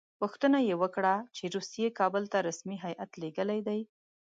پوښتنه یې وکړه چې روسیې کابل ته رسمي هیات لېږلی دی.